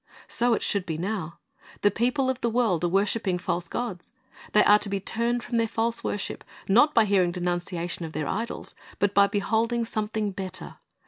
"' So it should be now. The people of the world are worshiping false gods. They are to be turned from their false worship, not by hearing denunciation of their idols, but by beholding something better.